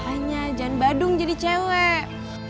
tanya jangan badung jadi cewek